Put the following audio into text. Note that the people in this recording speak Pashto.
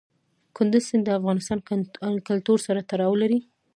کندز سیند د افغان کلتور سره تړاو لري.